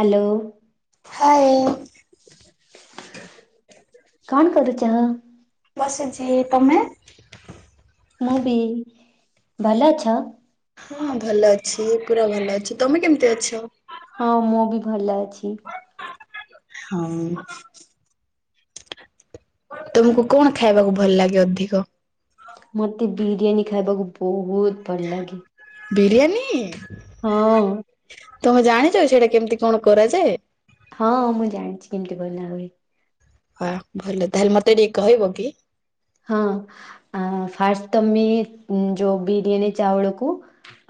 Hello hi କଣ କରୁଚ ବସିଛି ତମେ ମୁଁ ବି ଭଲ ଅଛ ହଁ ଭଲ ଅଛି ପୁରା ଭଲ ଅଛି ତମେ କେମତି ଅଛ ହଁ ମୁ ବି ଭଲ ଅଛି ହଁ ତୁମକୁ କଣ ଖାଇବାକୁ ଭଲ ଲାଗେ ଅଧିକ ମତେ ବିରିୟାନୀ ଖାଇବାକୁ ବହୁତ୍ ଭଲ ଲାଗେ ବିରିୟାନୀ ହଁ ଅ ତମେ ଜାଣିଛ କି ସେଇଟା କେମିତି କଣ କରାଯାଏ ହଁ ମୁଁ ଜାଣିଛି କେମିତି ବନା ହୁଏ ୱା ଭଲ ତାହେଲେ ମତେ ଟିକେ କହିବ କି ହଁ ଆ ଫାଷ୍ଟ ତମେ ଯୋଉ ବିରିୟାନୀ ଚାଉଳକୁ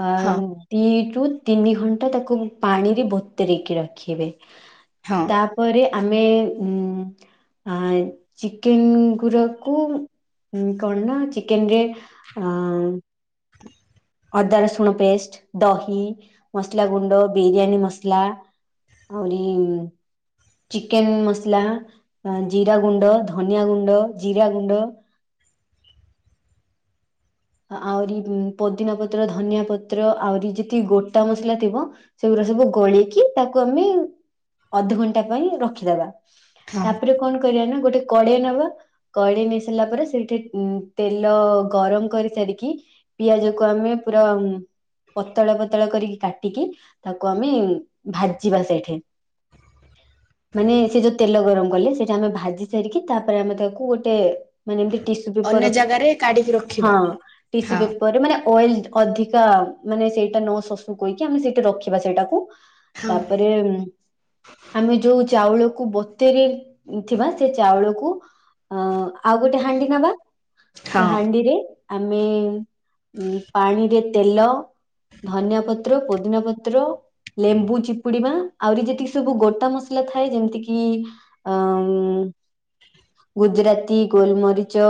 ଅ ହଁ ଦି ରୁ ତିନି ଘଣ୍ଟା ତାକୁ ପାଣିରେ ବତୁରେଇକି ରଖିବେ ହଁ ତାପରେ ଆମେ ଉଁ ଆ ଚିକେନ୍ ଗୁରକୁ ହୁଁ କଣ ନା ଚିକେନ ରେ ଅ ଅଦା, ରସୁଣ ପେଷ୍ଟ ଦହି ମସଲା ଗୁଣ୍ଡ ବିରିୟାନୀ ମସଲା ଆରିି ଚିକେନ ମସଲା, ଜିରା ଗୁଣ୍ଡ, ଧନିଆ ଗୁଣ୍ଡ, ଜିରା ଗୁଣ୍ଡ ଆହୁରି ପଦିନା ପତ୍ର, ଧନିଆ ପତ୍ର ଆହୁରି ଯେତିକି ଗୋଟା ମସଲା ଥିବ ସେଇରା ସବୁ ଗୋଳେଇକି ତାକୁ ଆମେ ଅଧଘଣ୍ଟା ପାଇଁ ରଖିଦବା। ହଁ ତାପରେ କଣ କରିବା ନା ଗୋଟେ କଡେଇ ନବା କଡେଇ ନେଇ ସାରିଲା ପରେ ସେଠି ତେଲ ଗରମ କରି ସାରିକି ପିଆଜ କୁ ଆମେ ପୁରା ପତଳା ପତଳା କରିକି କାଟିକି ତାକୁ ଆମେ ଭାଜିବା ସେଇଠି। ମାନେ ସେ ଯୋଉ ତେଲ ଗରମ କଲେ ସେଇଟା ଆମେ ଭାଜି ସାରିକି ତାପରେ ଆମେ ତାକୁ ଗୋଟେ ମାନେ ଏମତି ଟିସୁ ପେପର ଅନ୍ୟ ରଖି ଜାଗାରେ କାଢିକି ରଖିବା ହଁ ଟିସୁ ହଁ ପେପ ପରେ ମାନେ ଅଏଲ ଅଧିକା ମାନେ ସେଇଟା ନ ଶଶୁକି ଆମେ ସେଇଟା ରଖିବା ସେଇଟାକୁ। ହଁ ତାପରେମ୍ ଆମେ ଯୋଉ ଚାଉଳକୁ ବତେରେ ଥିବା ସେ ଚାଉଳକୁ ଅ ଆଉ ଗୋଟେ ହାଣ୍ଡି ନବା, ହଁ ସେ ହାଣ୍ଡିରେ ଆମେ ପାଣିରେ ତେଲ ଧନିଆ ପତ୍ର, ପୋଦିନା ପତ୍ର, ଲେମ୍ବୁ ଚିପୁଡିିବା। ଆହୁରି ଯେତିକି ସବୁ ଗୋଟା ମସଲା ଥାଏ ଯେମିତିକି ଅ ଗୁଜୁରାତି, ଗୋଲମରିଚ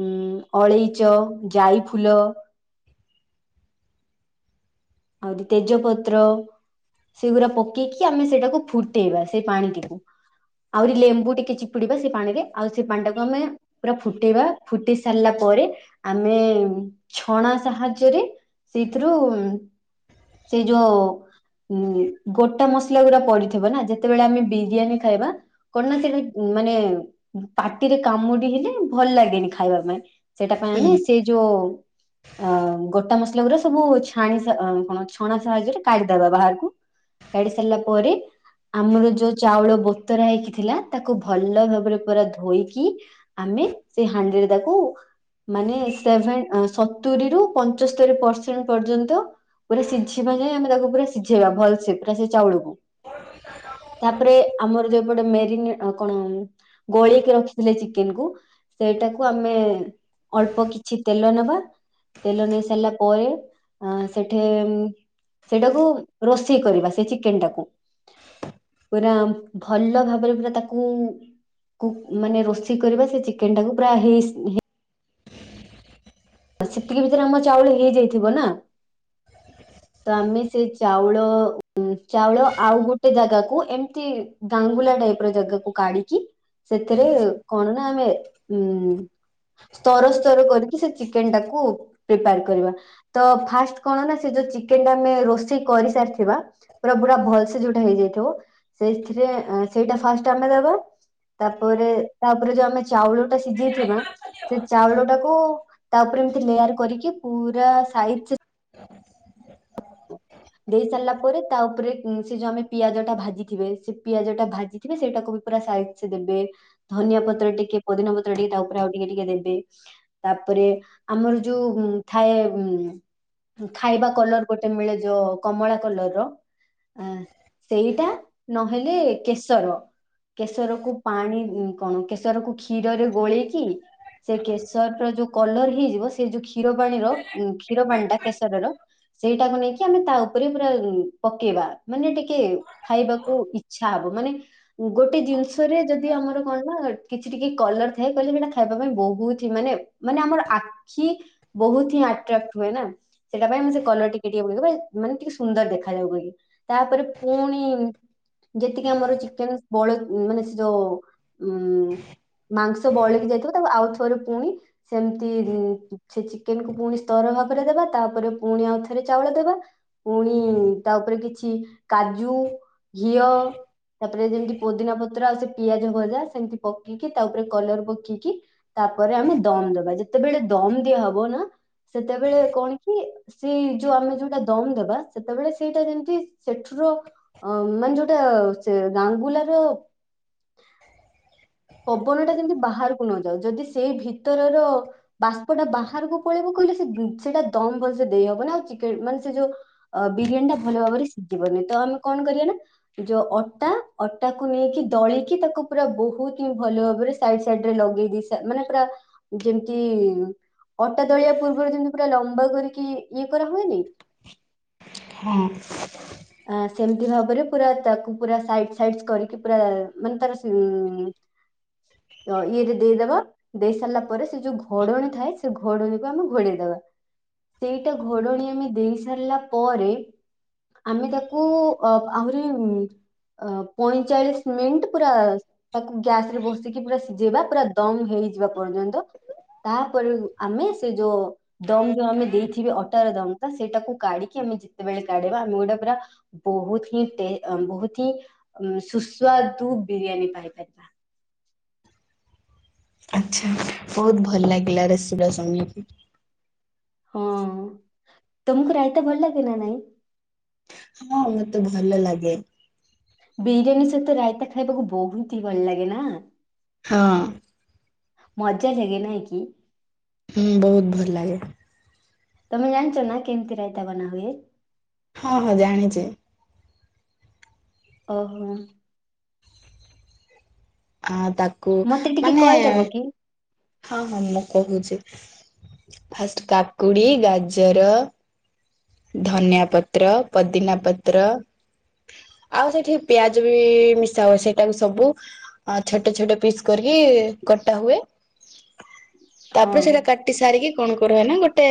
ଉ ଅଳେଇ ଜାଇ ଫୁଲ ଆହୁରି ତେଜପତ୍ର ସେଗୁଡା ପକେଇକି ଆମେ ସେଇଟାକୁ ଫୁଟେଇବା ସେଇ ପାଣିଟିକୁ ଆହୁରି ଲେମ୍ବୁ ଟିକେ ଚି ପୁଡିବା ସେ ପାଣିକି ଆଉ ସେ ପାଣି ଟାକୁ ଆମେ ପୁରା ଫୁଟେଇବା ଫୁଟି ସାରିଲା ପରେ ଆମେ ଛଣା ସାହାଯ୍ୟରେ ସେଇଥିରୁ ସେଇ ଯୋଉ ଉ ଗୋଟା ମସଲା ଗୁଡା ପଡିଥିବ ନା ଯେତେବେଳେ ଆମେ ବିରିୟାନୀ ଖାଇବା କଣନା ସେଟା ମାନେ ପାଟିରେ କାମୁଡି ହେଲେ ଭଲ ଲାଗେନି ଖାଇବା ପାଇଁ। ସେଇଟା ପାଇଁ ହୁଁ ଆମେ ସେଇ ଯୋଉ ଆ ଗୋଟା ମସଲା ଗୁଡା ସବୁ ଛାଣି କଣ ଛଣା ସାହାଯ୍ୟରେ କାଢିଦବା ବାହାରକୁ କାଢି ସାରିଲା ପରେ ଆମର ଯୋଉ ଚାଉଳ ବତରା ହେଇକି ଥିଲା ତାକୁ ଭଲ ଭାବରେ ପୁରା ଧୋଇକି ଆମେ ସେଇ ହାଣ୍ଡିରେ ତାକୁ ମାନେ ସେଭେନ୍ ସତୁରିୀ ରୁ ପଞ୍ଚସ୍ତରୀ ପରସେଣ୍ଟ ପର୍ଯ୍ୟନ୍ତ ପୁରା ସିଝିବା ଯାଏ ଆମେ ତାକୁ ପୁରା ସିଝେଇବା ଭଲସେ ପୁରା ସେ ଚାଉଳକୁ। ତାପରେ ଆମର ଯୋଉପଟେ ମେରିନେ କଣ ଗୋଳେଇକି ରଖିଥିଲେ ଚିକେନ କୁ ସେଇଟାକୁ ଆମେ ଅଳ୍ପ କିଛି ତେଲ ନବା ତେଲ ନେଇ ସାରିଲା ପରେ ଆ ସେଠି ସେଇଟାକୁ ରୋଷେଇ କରିବା ସେ ଚିକେନ ଟାକୁ। ପୁରା ଭଲ ଭାବରେ ପୁରା ତାକୁ କୁ ମାନେ ରୋଷେଇ କରିବା ସେ ଚିକେନ ଟାକୁ ପୁରା ହି ସେତିକି ଭିତରେ ଆମ ଚାଉଳ ହେଇଯାଇଥିବ ନା ତ ଆମେ ସେ ଚାଉଳ ଚାଉଳ ଆଉ ଗୋଟେ ଜାଗାକୁ ଏମିତି ଗାଙ୍ଗୁଲା ଟାଇପ୍ ର ଜାଗାକୁ କାଢିକି ସେଥିରେ କଣ ନା ଆମେ ଉଁ ସ୍ତର ସ୍ତର କରିକି ସେ ଚିକେନ ଟାକୁ ପ୍ରିପାର କରିବା। ତ ଫାଷ୍ଟ କଣ ନା ସେ ଯୋଉ ଚିକେନ ଟା ଆମେ ରୋଷେଇ କରିସାରିଥିବା। ପୁରା ପୁରା ଭଲସେ ଯୋଉଟା ହେଇଯାଇଥିବ ସେଥିରେ ସେଇଟା ଫାଷ୍ଟ ଆମେ ଦବା। ତାପରେ ତାପରେ ଯୋଉ ଆମେ ଚାଉଳ ଟା ସିଝେଇଥିବା ସେ ଚାଉଳ ଟାକୁ ତା ଉପରେ ଏମିତି ଲେୟାର କରିକି ପୁରା ସାଇଜ। ହ [unintelligible] ଦେଇ ସାରିଲା ପରେ ତା ଉପରେ ସେ ଯୋଉ ଆମେ ପିଆଜ ଟା ଭାଜିଥିବେ ସେ ପିଆଜ ଟା ଭାଜି ସେଇଟାକୁ ବି ପୁରା ସାଇଜ ରେ ଦେବେ ଧନିଆ ପତ୍ର ଟିକେ ପଦିନା ପତ୍ର ଟିକେ ତା ଉପରେ ଆଉ ଟିକେ ଟିକେ ଦେବେ। ତାପରେ ଆମର ଯୋଉ ଥାଏ ଉ ଖାଇବା କଲର ଗୋଟେ ମିଳେ ଯୋଉ କମଳା କଲର ର ଅ ସେଇଟା ନହେଲେ କେଶର କେଶର କୁ ପାଣି କଣ କେଶର କୁ କ୍ଷୀରରେ ଗୋଳେଇକି ସେ କେଶର ର ଯୋଉ କଲର ହେଇଯିବ ସେ ଯୋଉ କ୍ଷୀର ପାଣିର କ୍ଷୀର ପାଣି ଟା କେଶରର ସେଇଟାକୁ ନେଇକି ଆମେ ତା ଉପରେ ପୁରା ପକେଇବା ମାନେ ଟିକେ ଖାଇବାକୁ ଇଚ୍ଛା ହବ ମାନେ ଗୋଟେ ଜିନିଷରେ ଯଦି ଆମର କଣ ନା କିଛି ଟିକେ କଲର ଥାଏ କହିଲେ ସେଇଟା ଖାଇବା ପାଇଁ ବହୁତ ହି ମାନେ ମାନେ ଆମର ଆଖି ବହୁତ ହିଁ ଆଟ୍ରାକ୍ଟ ହୁଏ ନା ସେଟା ପାଇଁ ମୁ କଲର ଟିକେ ଟିକେ ବ ମାନେ ଟିକେ ସୁନ୍ଦର ଦେଖାଯାଉ ବୋଲି ତାପରେ ପୁଣି ଯେତିକି ଆମର ଚିକେନ ବଳେ ମାନେ ସେ ଯୋଉ ଉ ମାଂସ ବଳେଇକି ଯାଇଥିବ ତାକୁ ଆଉ ଥରେ ପୁଣି ସେମିତି ସେ ଚିକେନକୁୁ ପୁଣି ସ୍ତର ଭାବରେ ଦବା ତାପରେ ପୁଣି ଆଉ ଥରେ ଚାଉଳ ଦେବା। ପୁଣି ତା ଉପରେ କିଛି କାଜୁ ଘିଅ ତାପରେ ଯେମିତି ପୋଦିନା ପତ୍ର ଆଉ ସେ ପିଆଜ ଭଜା ସେମିତି ପକେଇକି ତା ଉପରେ କଲର ପକେଇିକି ତାପରେ ଆମେ ଦମ ଦବା ଯେତେବେଳେ ଦମ ଦିଆ ହବ ନା ସେତେବେଳେ କଣ କି ସେଇ ଯୋଉ ଆମେ ଯୋଉଟା ଦମ ଦେବା ସେତେବେଳେ ସେଇଟା ଯେମିତି ସେଠ ର ଅ ମାନେ ଯୋଉଟା ସେ ଗାଙ୍ଗୁଲାର ପବନ ଟା ଯେମତି ବାହାରକୁ ନଯାଉ ଯଦି ସେଇ ଭିତରର ବାଷ୍ପ ଟା ବାହାରକୁ ପଳେଇବ କହିଲେ ସେ ସେଇଟା ଦମ ଭଲସେ ଦେଇ ହବ ନା ଆଉ ଚେ ମାନେ ସେ ଯୋଉ ଅ ବିରିୟାନୀ ଟା ଭଲ ଭାବରେ ସିଝିବନି ତ ଆମେ କଣ କରିବା ନା ଯୋଉ ଅଟା ଅଟାକୁ ନେଇକି ଦଳିକି ତାକୁ ପୁରା ବହୁତ ଭଲ ଭାବରେ ସାଇଡ ସାଇଡ ରେ ଲଗେଇ ଦେଇ ମାନେ ପୁରା ଯେମତି ଅଟା ଦଳିବା ପୂର୍ବରୁ ଯେମତି ପୁରା ଲମ୍ବା କରିକି ଇଏ କରା ହୁଏନି ହଁ। ଆ ସେମିତି ଭାବରେ ପୁରା ତାକୁ ପୁରା ସାଇଡ ସାଇଡ କରିକି ପୁରା ମାନେ ତାର ହ [unintelligible] ବହିରେ ଦେଇଦବା ଦେଇ ସାରିଲା ପରେ ସେ ଯୋଉ ଘଡଣୀ ଥାଏ ସେ ଘଡଣୀକୁ ଆମେ ଘୋଡେଇଦବା ସେଇଟା ଘୋଡଣି ଆମେ ଦେଇ ସାରିଲା ପରେ ଆମେ ତାକୁ ଅ ଆହୁରି ପଇଁଚାଳିଶ ମିନିଟ୍ ପୁରା ତାକୁ ଗ୍ୟାସ ରେ ବସିକି ପୁରା ସିଝେଇବା ପୁରା ଦମ ହେଇଯିବା ପର୍ଯ୍ୟନ୍ତ। ତାପରେ ଆମେ ସେ ଯୋଉ ଦମ ଯୋଉ ଆମେ ଦେଇଥିବେ ଅଟାର ଦମଟ ସେଟାକୁ କାଢିକି ଆମେ ଯେତେବେଳେ କାଢେଇବା ଆମେ ଗୋଟେ ପୁରା ବହୁତ ହିଁ ତେ ବହୁତ ହିଁ ଉ ସୁସ୍ୱାଦୁ ବିରିଆନି ପାଇପାରିବା। ଆଚ୍ଛା ବହୁତ ଭଲ ଲାଗିଲା ରେସିପି ଟା ସୁଣିକି। ହଁ, ତମକୁ ରାଇତା ଭଲ ଲାଗେ ନା ନାଇଁ? ହଁ, ମତେ ଭଲ ଲାଗେ। ବିରିୟାନୀ ସହିତ ରାଇତା ଖାଇବାକୁ ବହୁତ ହି ଭଲ ଲାଗେ ନା? ହଁ। ମଜା ଯାଗେ ନାଇଁ କି? ହୁଁ, ବହୁତ ଭଲ ଲାଗେ। ତମେ ଜାଣିଚ ନା କେମିତି ରାଇତା ବନା ହୁଏ? ହଁ ହଁ, ଜାଣିଚି। ଓହୋ। ଆ ତାକୁ, ମତେ ଟିକେ ମାନେ କହିଦବ କି ହଁ ହଁ ମୁଁ କହୁଚି, ଫାଷ୍ଟ କାକୁଡି, ଗାଜର, ଧନିଆ ପତ୍ର, ପଦିନା ପତ୍ର, ଆଉ ସେଇଠି ପିଆଜ ବି ମିଶା ହୁଏ। ସେଇଟାକୁ ସବୁ ଆ ଛୋଟ ଛୋଟ ପିସ୍ କରିକି କଟା ହୁଏ। ହଁ ତାପରେ ସେଇଟା କାଟି ସାରିକି କଣ କରାହୁଏ, ନା ଗୋଟେ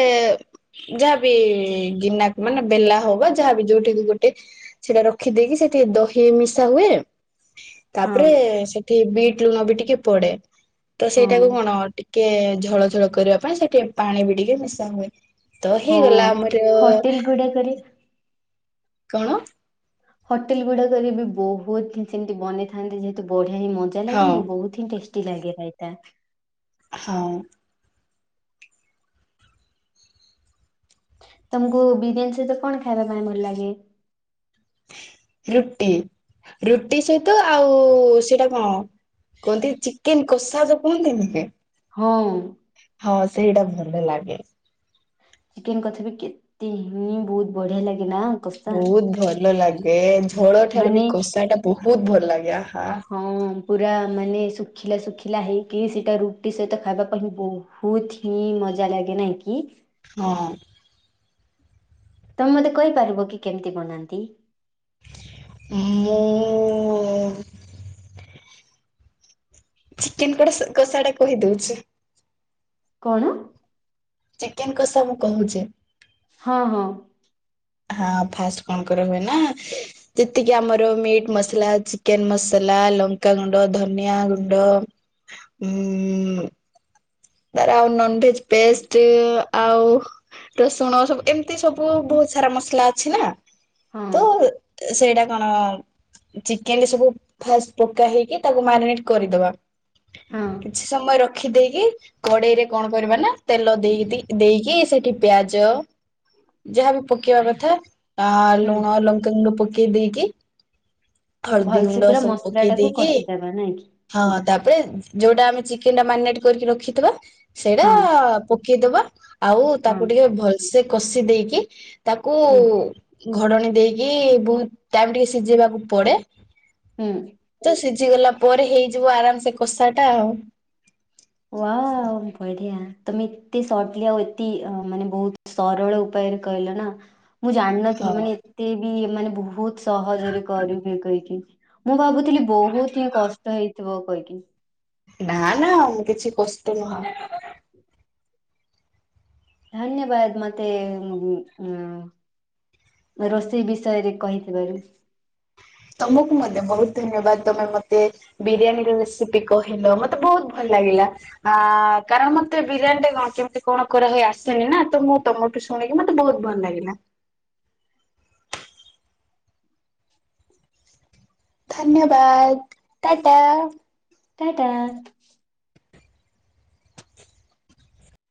ଯାହାବି ଗିନାକୁ ମାନେ ବେଲା ହଉ ବା ଯାହାବି ଯୋଉଠି କି ଗୋଟେ ସେଇଟା ରଖିଦେଇକି ସେଠିଥିରେ ଦହି ବି ମିଶା ହୁଏ। ହଁ ତାପରେ ସେଥିରେ ବିଟ୍ ଲୁଣ ବି ଟିକେ ପଡେ। ତ ହଁ ସେଇଟାକୁ କଣ ଟି ଟିକେ ଝୋଳ ଝୋଳ କରିବା ପାଇଁ ସେଇଥିରେ ପାଣି ବି ଟିକେ ମିଶା ହୁଏ। ତ ହଁ ହେଇଗଲା ଆମର ହୋଟେଲ ଗୁଡାକରେ କଣ? ହୋଟେଲ ଗୁଡାକରେ ବି ବହୁତ ସେମିତି ବନେଇଥାନ୍ତି। ଯେହେତୁ ବଢିଆ ହିଁ ମଜା ହଁ ଲାଗେନି ବହୁତ ଟେଷ୍ଟି ଲାଗେ ରାଇତା ହଁ। ତମକୁ ବିରିୟାନୀ ସହିତ କଣ ଖାଇବା ପାଇଁ ଭଲ ଲାଗେ? ରୁଟି, ରୁଟି ସହିତ ଆଉ ସେଟା କଣ କୁହନ୍ତି ଚିକେନ କଷା ଯଉ କୁହନ୍ତି ନୁହେଁ? ହଁ। ହଁ, ସେଇଟା ଭଲ ଲାଗେ। ଚିକେନ କସା ବି କେତେ ହିଁ ବହୁତ ବଢିଆ ଲାଗେ ନା? କଷା ବହୁତ ଭଲ ଲାଗେ। ଝୋଳ ଠାରୁ ମାନେ ବି କଷାଟା ବହୁତ ଭଲ ଲାଗେ, ଆ ହା। ହଁ, ପୁରା ମାନେ ଶୁଖିଲା ଶୁଖିଲା ହେଇକି, ସେଇଟା ରୁଟି ସହିତ ଖାଇବା ପାଇଁ ବହୁ ହୁତ ହିଁ ମଜା ଲାଗେ, ନାଇଁ କି? ହଁ। ତମେ ମତେ କହିପାରିବ କି କେମିତି ବନାନ୍ତି? ମୁଁ ଚିକେନ କଷା ଟା କହିଦଉଛି [unintelligible] କଣ? ଚିକେନ କଷା ମୁଁ କହୁଚି। ହଁ ହଁ। ହଁ, ଫାଷ୍ଟ କଣ କରାହୁଏ ନା ଯେତିକି ଆମର ମିଟ୍ ମସଲା, ଚିକେନ ମସଲା, ଲଙ୍କା ଗୁଣ୍ଡ, ଧନିଆ ଗୁଣ୍ଡ, [unintelligible] ତାର ଆଉ ନନ୍ ଭେଜ୍ ପେଷ୍ଟ ଆଉ ରସୁଣ ସବୁ ଏମ୍ତି ସବୁ ବହୁତ୍ ସାରା ମସଲା ଅଛି ନା, ହଁ ତ ସେଇଟା କଣ ଚିକେନ୍ ରେ ସବୁ ଫାଷ୍ଟ ପକା ହେଇକି ତାକୁ ମ୍ୟାରିନେଟ୍ କରିଦବା। ହଁ କିଛି ସମୟ ରଖି ଦେଇକି କଡେଇରେ କଣ କରିବା ନା ତେଲ ଦେଇ ଦେଇକି ସେଠି ପିଆଜ ଯାହାବି ପକେଇବା କଥା ଅ ହୁଁ ଲୁଣ ଲଙ୍କାଗୁଣ୍ଡ ପକେଇ ଦେଇକି ହଳଦୀ ଗୁଣ୍ଡ ଭଲ୍ସେ ପୁରା ସବୁ ମସଲା ପକେଇ ଟାକୁ ଦେଇକି କଷିଦବା ନାଇଁ କି? ହଁ ତାପରେ ଯୋଉଟା ଆମେ ଚିକେନ୍ ଟା ମାରିନେଟ୍ କରିକି ରଖିଥିବା, ସେଇଟା ହଁ ପକେଇଦବା ଆଉ ହଁ ତାକୁ ଟିକେ ଭଲ୍ସେ କଷି ଦେଇକି ତାକୁ ହୁଁ ଘଡଣୀ ଦେଇକି ବହୁତ୍ ଟାଇମ୍ ଟିକେ ସିଝେଇବାକୁ ପଡେ। ହୁଁ। ତ ସିଝିଗଲା ପରେ ହେଇଯିବ ଆରାମ୍ସେ କଷାଟା ଆଉ। ୱାଓ ବଢିଆ, ତମେ ଏତେ ସଟ୍ଲି ଆଉ [unintelligible] ମାନେ ବହୁତ୍ ସରଳ ଉପାୟରେ କହିଲା ନା ମୁଁ ଜାଣିନଥିଲି ହଁ ମାନେ ଏତେ ବି ମାନେ ବହୁତ୍ ସହଜରେ କରିହୁଏ କହିକି। ମୁଁ ଭାବୁଥିଲି ବହୁତ୍ [unintelligible] କଷ୍ଟ ହେଇଥିବ କହିକି। ନା-ନା କିଛି କଷ୍ଟ ନୁହଁ। ଧନ୍ୟବାଦ୍ ମତେ ଉଁ ରୋଷେଇ ବିଷୟରେ କହିଥିବାରୁ। ତମକୁ ମଧ୍ୟ ବହୁତ୍ ଧନ୍ୟବାଦ୍, ତମେ ମତେ ବିରିୟାନୀ ର ରେସିପି କହିଲ, ମତେ ବହୁତ୍ ଭଲ ଲାଗିଲା। ଆ କାରଣ ମତେ ବିରିୟାନୀ ଟା କଣ କେମ୍ତି କଣ କରାହୁଏ ଆସେନି ନା, ତ ମୁଁ ତମ ଶୁଣିକି ମତେ ବହୁତ୍ ଭଲ୍ ଲାଗିଲା। ଧନ୍ୟବାଦ୍, ଟା ଟା। ଟା ଟା।